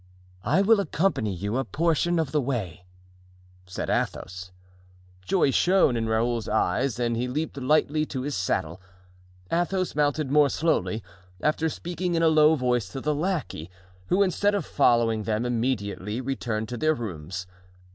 "I will accompany you a portion of the way," said Athos. Joy shone in Raoul's eyes and he leaped lightly to his saddle. Athos mounted more slowly, after speaking in a low voice to the lackey, who, instead of following them immediately, returned to their rooms.